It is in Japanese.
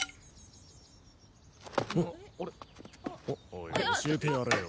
おい教えてやれよ。